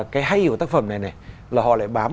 cái hay của tác phẩm này này là họ lại bám